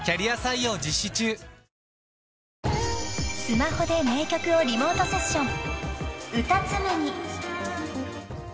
［スマホで名曲をリモートセッション］